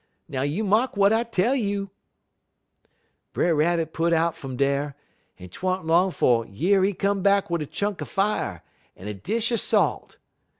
Now you mark w'at I tell you!' "Brer Rabbit put out fum dar, en 't wa'n't long 'fo' yer he come back wid a chunk er fier, un a dish er salt.